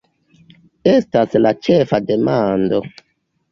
Estas la ĉefa demando!